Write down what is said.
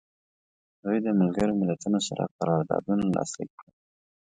دوی د ملګرو ملتونو سره قراردادونه لاسلیک کړل.